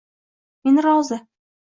Men rozi.